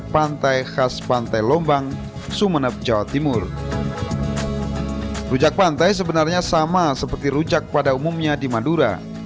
pantai sebenarnya sama seperti rujak pada umumnya di madura